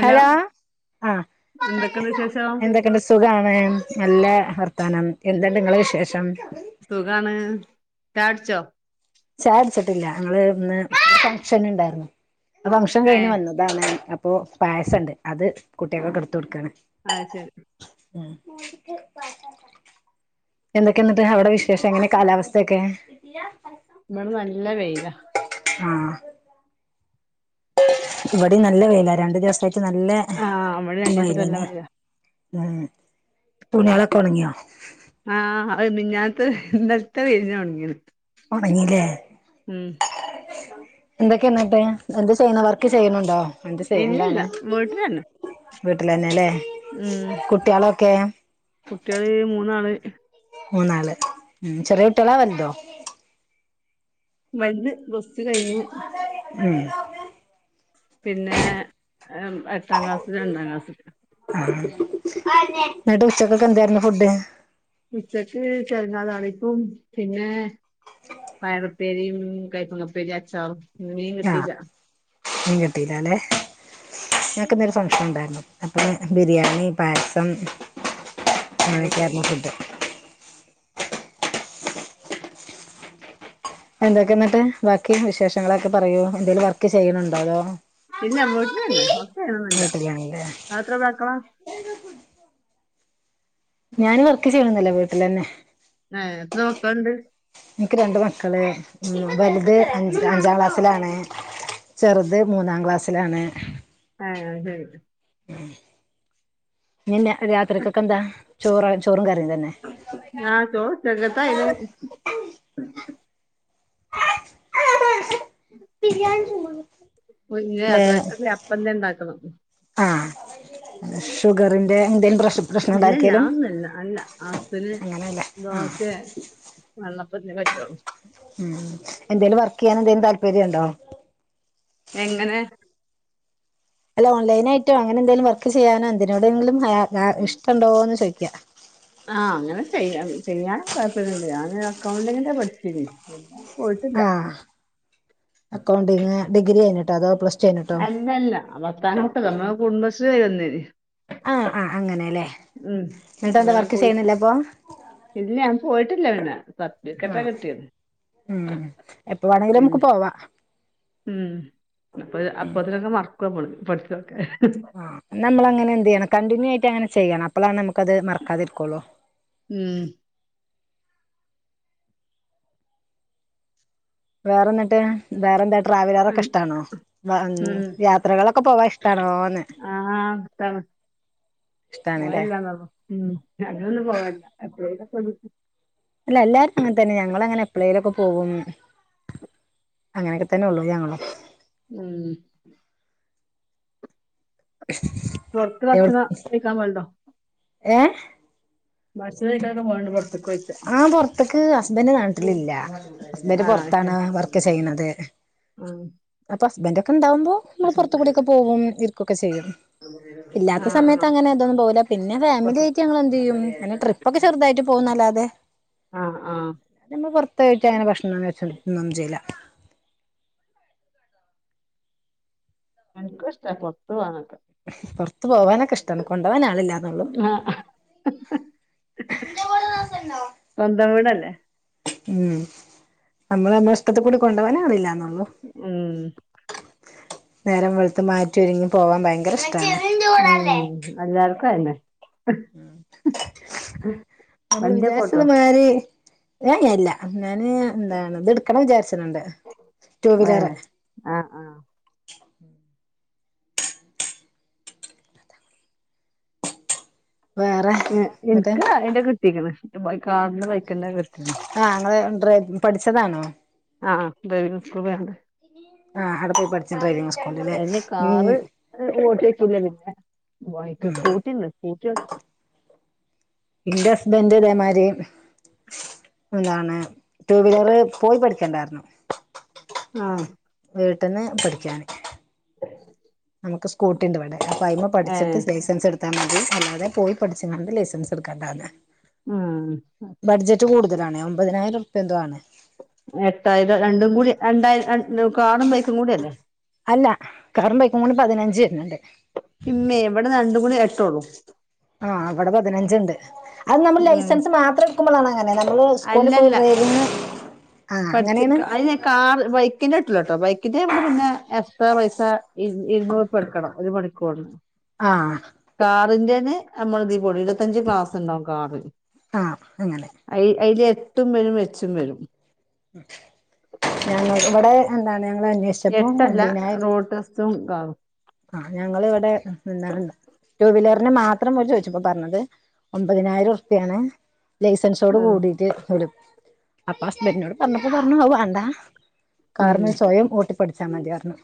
Hello ആ എന്തൊക്കെയുണ്ട് വിശേഷം എന്തൊക്കെണ്ട് സുഖാണ് നല്ല വർ ത്താനം എന്തെല്ലാ നിങ്ങളെ വിശേഷം? ചാകുടിച്ചോ? ചായ്കുടിച്ചിട്ടില്ല ഞങ്ങളിന്ന് ഫഗ്ഷൻ നിണ്ടായിരുന്നു. അ ഫഗ്ഷൻ കഴിഞ്ഞ് ഏഹ് വന്നതാണ്. പ്പൊ പയസണ്ട് അത് കുട്ടികക്കൊക്കെ എടുത്ത് കൊടുക്കാണ്. അത് ശരി [unintelligible] എന്തെക്കെന്നിട്ട് അവിടെ വിശേഷം എങ്ങനെ കാലാവസ്ഥയൊക്കെ? ഇവടെ നല്ല വെയിലാ. ആ ഇവിടേം നല്ല വെയിലാ രണ്ട് ദിവസായിട്ട്. നല്ലെ ആഹ് ഇവിടെ രണ്ട് ദിവസായിട്ട് നല്ല വൈകുവല്ലേ? മഴയാ ഉം തുണികളൊക്കെ ഒണങ്ങിയോ? ആ മിഞ്ഞാത്തെ ഇന്നല്ത്തെ വെയിലിനാ ഒണങ്ങിയത്. തൊടങ്ങീലേ ന്തക്കെയ ന്ന്ട്ട് ന്ത് ചെയ്യണ് വർക്ക് ചെയ്യണൊണ്ടോ ഇല്ലില്ല വീട്ടിലന്നെ വീട്ടിലന്നെ ല്ലേ ഉം ക്കേ കുട്ട്യള് മൂന്നാള് മൂന്നാള് ഉം ചെറിയ കുട്ട്യളാ വല്തോ വല്ത് പ്ലസ്ട് കയിഞു ഉം പിന്നെ എട്ടാം ക്ലാസ്സ് രണ്ടാം ക്ളാസ് ട്ട് ഉച്ചയ്ക്കത്ത്കകെന്തായ്ര്ന്ന് ഫുഡ് ഉച്ചക്ക് തേങാകറിയും പിന്നെ പയറുപ്പേരിയും കയ്പങ്ങാപ്പേരി അച്ചാറും മീൻ കിട്ടീല്ല മീൻ കിട്ടീലാല്ലേ [unintelligible] ബിരിയാണി പായസം അത് ശരി [unintelligible] എന്തൊക്കെന്ന്ട്ട് വാക്കി വിശേഷങ്ങള ക്കെ പറയൂ ന്തേലും വർക്ക് ചെയ്യ്ന്നൊണ്ടോ [inaudible] ഇല്ല വീട്ടിലന്നെ വർക്ക്‌ ചെയ്യ്ണൊന്നുല്ല വീട്ടിലാണല്ലേ [unintelligible] ഞാന് വർക്ക് ചെയ്യണില്ല വീട്ടിലന്നെ ങാ എത്ര മക്കള്ണ്ട് എനിക്ക് രണ്ട് മക്കള് വല്ത് അഞ്ചില് അഞ്ചാംക്ലാസില ലാണ് ത് മൂന്നാംക്ലാസിലാണ് ആ ന്ന രാത്രിയത്തേക്കെന്ത ചോറ ചോ-റും കറിം ആ ചോറ്ണ്ട് [unintelligible] ഏ ആ [unintelligible] ഷുഗറിന്റെ പ്രഷ ഇല്ലല്ലാന്നല്ല അല്ല ആസ്പിരിൻ അങ്ങനെയല്ല ആ [unintelligible] [unintelligible] എന്തേലും വർക്ക് യാനെന്തേലും താല്പര്യണ്ടോ എങ്ങനെ അല്ല ഓൺലൈനായ്ട്ടും അങ്ങനെന്തേലും വർക്ക് ചെയ്യാനൊന്തിനോടെങ്കിലും ഹ അ ഇഷ്ടൊണ്ടോന്ന് ചോയ്ക്യ ആ അങ്ങനെ ചെയ്യ ചെയ്യാനൊന്നുംതാല്പര്യൊന്നുല്ല. ഞാന് അക്കൗണ്ടിങ്ങിന്റെ പണി ചെയ്യും ആ അക്കൗണ്ടിന്നു സിഗ്നൽ കഴിഞ്ഞിട്ടാ അതാ പ്രശ്നം അല്ലല്ല വർത്തനോട്ട് നമ്മടെ കുടുംബ ആ [unintelligible] ആ അങ്ങനെല്ലേ ഉം എന്നിട്ട് എന്താ അങ്ങനെ വർക്ക് പോയി ചെയ്യണില്ല അപ്പൊ ഇല്ല ഞാൻ പോയിട്ടില്ല പിന്നെ ആ സർട്ടിഫിക്കറ്റാ കിട്ടിയത് ഉം എപ്പ വേണെങ്കിലും അമക്ക് പിന്നെ പോവാ ഉം അപ്പോഴ് അപ്പത്തിനോക്കെ മറ മോള് പോണ് പഠിച്ചതൊക്കെ ആ നമ്മള അങ്ങനെ എന്ത് ചെയ്യണം കണ്ടിന്യൂ ആയിട്ട് അങ്ങന ചെയ്യാണം അപ്പോളാണ് ന നമുക്ക്ത് മറക്കാതിരിക്കോളോ ഉം വേറെന്നട്ട് വേറെന്താ ഉം ട്രാവലറൊക്കെ ഇഷ്ടാണോ അ ഉം യാത്രകളൊക്കെ പോവാൻ ഇഷ്ടാണോന്ന് ആ ഇഷ്ടാണ് ഇഷ്ടാണല്ലേ പോവല്ലനൊള്ളു അങ്ങനൊന്നും പോവല്ല്യ എപ്പോളെങ്കിലൊക്കെ [unintelligible] ഇല്ല എല്ലാരും അങ്ങനെ തന്നെ ആ ഞങ്ങൾ അങ്ങനെ - ട്രെയിൻ ഒക്കെ പോകും അങ്ങനെ ഒക്കെ തന്നെ [unintelligible] ഉം തൊട്ട് നക്കണ ചിക്കൻ വേണ്ട ഏ മടിച്ചു നിൽക്കണ്ടു പോവാം [unintelligible] ആ പുറത്തിക്ക്, ഹസ്ബൻഡ് നാട്ടിൽ ഇല്ല, ഹസ്ബൻഡ് ആഹ് പുറത്താണ് ശരി വർക്ക്‌ ചെയുന്നത് ആഹ് [unintelligible] ആകുമ്പോൾ നമ്മള് പുറത്തുകൊടി ഒക്കെ പോവും ഇരിക്കൊക്കെ ചെയ്യും ഇല്ലാത്ത ആഹ് സമയത്തു ആഹ് അങ്ങനെ എങ്ങ്ങും പോവില്ല പിന്നെ ഫാമിലി പൊറത്ത് ആയിട്ട് ഞങ്ങൾ എന്ത് ചെയ്യും ട്രിപ്പ്‌ ഒക്കെ ചെറുതായിട്ട് പോകും എന്നല്ലാതെ ആഹ് ആഹ് ഞങ്ങൾ പുറത്തു പോയിട്ടു അങ്ങനെ ഭക്ഷണം കഴിഴിക്കുവോ ഒന്നും ചെയ്ല്ല എനിക്കും ഇഷ്ട്ടമാ പുറത്തു പോവാൻ പുറത്ത് പോകാൻ ഒക്കെ ഇഷ്ടമാണ് കൊണ്ടുപോകാൻ ആൾ ഇല്ലന്നേയുള്ളു ആഹ് സ്വന്തം വീടല്ലേ ഉം നമ്മളെ നമ്മുടെ ഇഷ്ടത്തിന് കൊണ്ടുപോകാൻ ആളില്ല മ് നേരം വെളുത്ത് മാറ്റി ഒരുങ്ങി പോകാൻ ഭയങ്കര ഇഷ് - [unintelligible] ഉം എല്ലാർക്കും അതെന്നെ ഞമ്മൾ വണ്ടിയൊക്കെ ഓട്ടോ വിചാരിച്ചത് മാറി ഏ ഏ ഇല്ല ഞാന് എന്താണ് ഇത് ഇട്ക്കണം വിചാരിചാണ്ണ്ട് എന്താണ് ടു വീലർ ഏഹ് ആഹ് ആഹ് വേറെ എ എന്നിട്ട് ഇനിക്ക് ഇത് കിട്ടീക്ക്ണ് ബൈ കാറിന്റെ ബൈക്കന്നെ കിട്ടീണ് ആ ഇങ്ങള് ഡ്രൈവിംഗ് പഠിച്ചതാണോ ആ ഡ്രൈവിംഗ് സ്കൂളിൽ പോയാണ്ട് ആ അവിടെ പോയി പഠിച്ചു ഡ്രൈവിംഗ് സ്കൂളിൽ ല്ലെ അതിന് കാറ് [unintelligible] സ്കൂട്ടി നിർത്തീട്ട് എന്റെ ഹസ്ബൻഡ് ഇതേ മാരി എന്താണ് ടു വീലർ പോയി പഠിക്കേണ്ട ർഞ്ഞു ആ വീട്ട്ന്ന് പഠിക്കാണ് ഞമ്മക്ക് സ്കൂട്ടി ഉണ്ട് ഇവിടെ അപ്പൊ അതിന്മേൽ ഏഹ് പഠിച്ചിട്ട് ലൈസൻസ് എടുത്താ മതി അല്ലാതെ പോയി പഠിച്ച്ക്കാണ്ട് ലൈസൻസ് എടുക്കേണ്ട ന്ന് ആഹ് ബഡ്ജറ്റ് കൂടും ഒമ്പത്തിനായിരം ർപൃ എന്തോ ആണ് എട്ടായിരം രണ്ടും കൂടി കാറും ബൈക്കും കൂടി അല്ലെ അല്ല കാറും ബൈക്കും കൂടി പതിനഞ്ച് വര്ന്ന്ണ്ട് ഇമ്മേ ഇവിടെ രണ്ടും കൂടി എട്ട് ഒള്ളൂ ആ ഇവിടെ പതിനഞ്ച് ഇണ്ട് അത് ഞമ്മൾ ഉം ലൈസൻസ് മാത്രം ടുക്കുമ്പോൾ ആണ് അങ്ങനെ ഞമ്മൾ സ്കൂളിൽ പോയി ഡ്രൈവിംഗ് പഠിച്ച്ക്ക അതിന് കാർ ബൈക്ക്ന്റെ കിട്ടൂല്ലട്ടോ ബൈക്ക് ന്റെ ഞാൻ ഇവിടെന്ന് പിന്നെ എക്സ്ട്രാ പൈസ ഇരുന്നൂറ് പ്യ കൊടുക്കണം ഒരു മണിക്കൂറിന് ആഹ് കാറിന്റെ ത് ഞമ്മൾതിന് ഇരുപത്തിഅഞ്ചു ക്ലാസ്സ്‌ ഉണ്ടാകും കാറി ആഹ് അങ്ങനെ അയി അയില് എട്ടും വരും എച്ചും വരും ഞങ്ങൾക്കിവിടെ എട്ട് അല്ല റോഡ്‌ ടെസ്റ്റ്‌ ഉം ആവും ഞങ്ങൾ ഇവിടെ എന്താണ് ടു വീലറിന് മാത്രം ത്രം ചോദിച്ചപ്പോൾ പറഞ്ഞത് ഒൻമ്പതിനായിരം ർപേണ് ലൈസൻസ് ഓട് ആഹ് കൂടീട്ട് അവര് അപ്പ ഹസ്ബൻഡിനോട് പറഞ്ഞപ്പ പറഞ്ഞു അത് വേണ്ട ഉം കാരണം സ്വയം ഓട്ടിപ്പടി [unintelligible]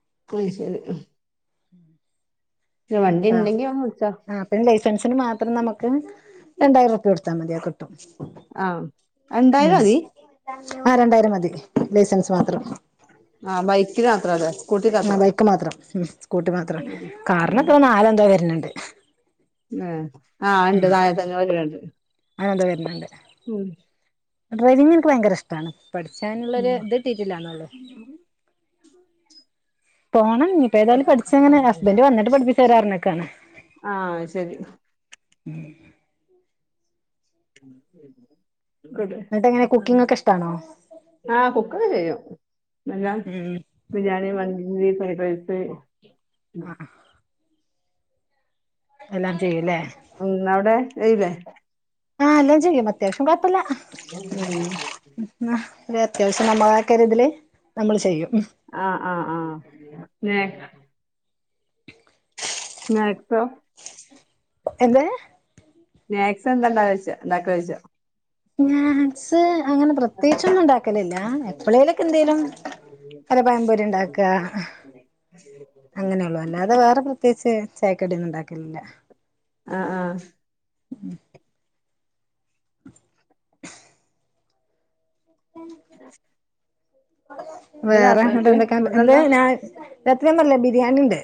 [unintelligible] [inaudible] വണ്ടിണ്ടെങ്കിൽ വന്നു പെൻഷന് മാത്രം നമുക്ക് രണ്ടായിരം റുപ്യ കൊടുത്താൽ മതിയാകും ആഹ് അത് ന്തായാലും ആ രണ്ടായിരം മതി ലൈസൻസ് മാത്രം ആഹ് ബൈക്കിൽ മാത്രാണ് ആഹ് ബൈക്ക് മാത്രം കൂട്ട്മാത്രല്ലേ ഉം കാറിനിപ്പ നാലോ അഞ്ചോ വരാണ് [inaudible] മം ആഹ് ഉണ്ട് താഴത്തേക്ക് വരനുണ്ട് അങ്ങട് വരനിണ്ട് ഡ്രൈവിംഗ് എനിക്ക് ഭയങ്കര ഇഷ്ട്ടാണ് പഠിക്കാനുള്ളൊരു ഉം ഇത് കിട്ടിട്ടില്ലെന്നുള്ളു പോണം ഇനീപ്പെതാലും പഠിച്ചങ്ങനെ ഹസ്ബൻഡ് വന്നിട്ട് പഠിപ്പി തരാർന്നിക്കാനാ ആഹ് ശരി [inaudible] എന്നിട്ട് എങ്ങനെ കുക്കിംഗ് ഒക്കെ ഇഷ്ടാണോ [inaudible] ആ കുക്കൊക്കെ ചെയ്യും ബിരിയാണി ഉം ബിരിയാണി മന്ദി ഇനി പിറകുവശത്തു ആഹ് എല്ലാം ചെയ്യുല്ലേ ഉം [unintelligible] ആഹ് എല്ലാം ചെയ്യും അത്യാവശ്യം വർക് ഇല്ല ഉം ന്നാ പിന്നെ അത്യാവശ്യം നമ്മെടെതക്കിത്തിൽ നമ്മള് ചെയ്യും ആഹ് ആഹ് ആഹ് മാത്‍സ് മാത്‍സോ എന്തേ മാക്സ് എന്താ ണ്ടാലോയിച്ച ഇണ്ടാക്കാലോയ്ച മാത്‍സ് ത്ത് അങ്ങനെ പ്രത്യേകിച്ചൊന്നും ഉണ്ടാക്കലില്ല എപ്പോളെലുംഒക്കെ എന്തെലും വല്ല പയം പൊരിയണ്ടാക അങ്ങനെള്ളു അല്ലാതെ വേറെ പ്രത്യേകിച്ച് ചായ കടി ഒന്നും ഉണ്ടാക്കല്ലില്ല ആ ആ മ് എന്താ വേറെ അവിടെ രാത്രികക്ക് എന്തൊക്കെയൊ ണ്ട് ഫുഡ് എന്തോ എന്താ ഞാൻ രാത്രി നല്ല ബിരിയാണിയുണ്ട്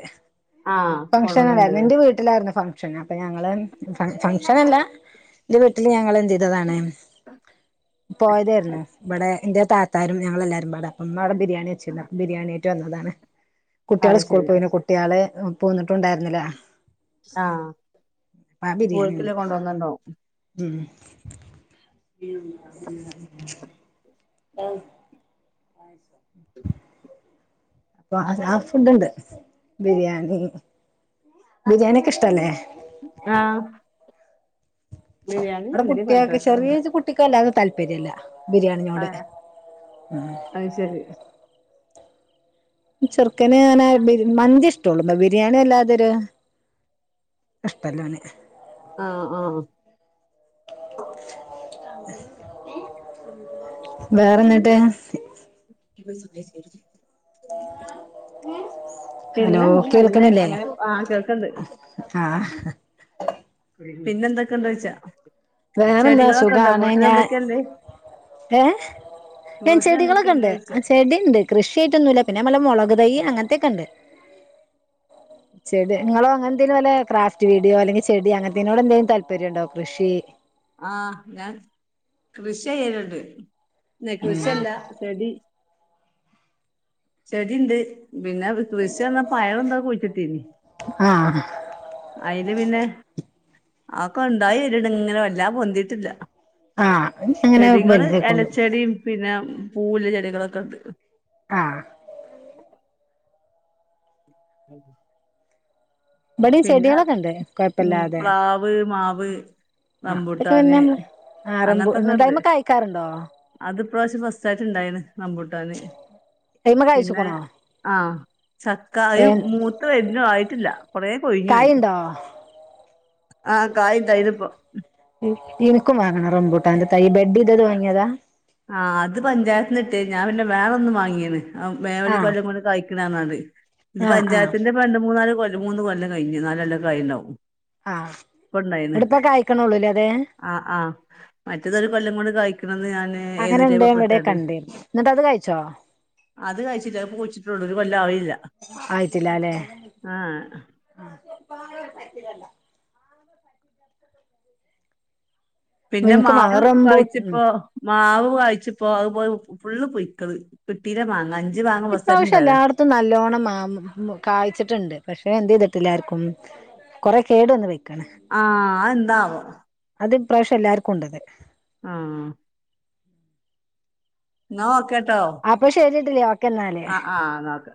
ആഹ് ഫംഗ്ഷൻ ഉണ്ടായിരുന്നേ കൊണ്ടുവന്നിണ്ട്ല്ലേ ന്റെ വീട്ടിലായിരുന്നേ ഫംഗ് ചെന്നപ്പോ ഞങ്ങള് ഫംഗ് ഫംഗ്ഷൻ അല്ല എന്റെ വീട്ടില് ഞങ്ങള് എ ന്താതാണേ പോരുയിരുന്നു ഇവിടെ ന്റെ താത്താറും ഞങ്ങളെല്ലാരും മ്പാടെ ഉമ്മ അവിടെ ബിരിയാണി വെച്ചിരുന്നു അപ്പോ ബിരിയാണിയായിട്ട് വന്നതാണ് കുട്ടിആള് അത് സ്കൂളിൽ ശരി പോയിന്നു കുട്ടി കളെ മ് പോന്നിട്ടുണ്ടായിരുന്നില്ല ആ അപ്പൊ ആ ബിരിയാണി ഉണ്ട് പ്പോൽക്കില്ലേ കൊണ്ടുന്നി ണ്ടാവും [inaudible] ആ കഴിച്ചോ അപ്പോ അത് ആ ഫുഡ് ഉണ്ട് ബിരിയാണി ബിരിയാണി ഒക്കെ ഇഷ്ടല്ലേ ആ അവിടെ കുട്ടിയാക്ക് റൈസ് ചെറിയ കുട്ടിക്കല്ലാതെ താല്പര്യമില്ല ബിരിയാണിനോട് ആഹ് ആ അത് ശരി ഈ ചെറുക്കന് അങ്ങനെ ബി മന്തി ഇഷ്ടോള്ളു ബിരിയാണി വല്ലാതൊ രു ഇഷ്ടല്ല ഓന് ആ ആ വേറെയെന്നാ യ്യ് പൊയ് സുബഹിസ്കരിക്ക് ഹലോ പിന്നെന്ത് നല്ല കേൾക്കണില്ലേ അങ്ങനെ ആഹ് കേൾക്കണ്ട് ആ [unintelligible] പിന്നെ എന്തൊക്കെ ണ്ട് ഓയിച്ച വേറെന്താ സുഖാണ് ഞാൻ എന്തൊക്കെയല്ലേ ഏഹ് വീട്ടിൽ ചെടികളൊക്കെണ്ട് എന്തൊക്കെയല്ലോയ്ച്ചാ ചെടിണ്ട് കൃഷ്യാട്ട് ഒന്നുല പിന്നെ വല്ല മൊള തൈ അങ്ങനത്തൊക്കെ ഉണ്ട് ചെടി നിങ്ങളോ അങ്ങനത്തും പോലെ ക്രാഫ്റ്റ് വീഡിയോ അല്ലെങ്കിൽ ചെടി അങ്ങനത്തേട് എന്തെങ്കിലും താല്പര്യം ഉണ്ടോ കൃഷി? ആഹ ഞാൻ കൃഷി ചെയ്യലുണ്ട്. നെ ഉം കൃഷില്ല ചെടി. ശരിണ്ട്. പിന്നെ കൃഷി വന്നാ പയർ എന്തേ കുഴിച്ചിട്ടനി ആഹ് അയിൽ പിന്നെ ആക്കെ ഉണ്ടായി ഇരിട ഇങ്ങനെ വ ഇല്ല പൊന്തിട്ടില്ല ആഹ് ഇനി അങ്ങനെ വലുതായ്ക്കോളും പൂല് ചെടികളൊക്കെ ഉണ്ട് ആഹ് [unintelligible] ഇവിടെയും പിന്നെ ചെടികളൊക്കെ ഉണ്ട് ഉം കൊഴപ്പല്ലാതെ പ്ലാവ് മാവ് ആ അതൊക്കെ പിന്നെ റംമ്പൂട്ടാന് നമ്മള് ആറമ്പൂ അങ്ങനത്തൊക്കെ ഒണ്ട് എന്നിട്ടയ്മെ കായ്ക്കാറുണ്ടോ അത് ഈ പ്രാവശ്യം ഫസ്റ്റ് ആയിട്ട് ഉണ്ടായിന് റമ്പൂട്ടാന് അയ്മെ പിന്നെ കായ്ച്ച്ക്ക്ണോ ആഹ് ഏ ചക്കായും മൂത്തു വരണു ആയിട്ടില്ല കുറേ കൊഴിഞ്ഞു പോയി ഇത് കായ്ണ്ടോ ആഹ് കായും തൈരും ഇനിക്കും വാങ്ങണം റംമ്പുട്ടന്റെ എന്റെ തൈ ബെഡ് ചെയ്തത് വാങ്ങിയതാ ആഹ് അത് പഞ്ചായത്തിന്ന് കിട്ടിയത് ഞാൻ പിന്നെ വേറൊന്നും വാങ്ങിയില്ല ആഹ് മേ ഒരു ആ കൊല്ലം കൊണ്ട് കയിക്കണ എങ്ങാണ്ട് ഇത് ആ ആ പഞ്ചായത്തിൻ്റെ രണ്ടു മൂന്നാലു കൊല്ലം ഒരു മൂന്ന് കൊല്ലം കഴിഞ്ഞ് നാല് കൊല്ലം ആയിട്ടുണ്ടാവും ആ ഇപ്പ ഉണ്ടായിന് ന്നട്ട്പ്പ കായ്ക്ക്ണൊള്ളൂലേ അത് ആ ആഹ് മറ്റേതൊരു കൊല്ലം കൊണ്ട് കായി പിന്നെന്ത് ഞാൻ അങ്ങനെണ്ട് ഇവിടെ [unintelligible] കണ്ടിരുന്നു ന്നിട്ടത് കഴിച്ചോ അത് കയിച്ചില്ല പൂച്ചിട്ടുള്ളൂ ഒരു കൊല്ലം ആയില്ല ആയിട്ടില്ലാല്ലേ [inaudible] പിന്നെ ഇൻക്കും വാങ്ങ മാവ് റംബൂ ഉം കായിച്ചിപ്പോ മാവ് [unintelligible] പുഴുക്കള് [unintelligible] ഇപ്രാവശ്യം എല്ലായിടത്തും നല്ലോണ്ണം മാ [unintelligible] കായ്ച്ചിട്ടുണ്ട് പക്ഷെ [unintelligible] ഞാൻ എന്ത് ചെയ്തിട്ടില്ലേ ആർക്കും കുറെ കേട് വന്ന് പോയി ആഹ് അത് എന്താവോ ഈപ്രാവശ്യം എല്ലാവർക്കും ഉണ്ടത് [inaudible] ആഹ് എന്നാ ഓക്കെ അപ്പോ ശെരി [unintelligible] അ ആഹ് ന്നാ ഓക്കെ